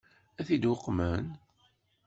Ad t-id-uqmen?